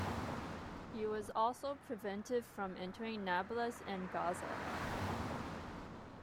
He was also prevented from entering Nablus and Gaza.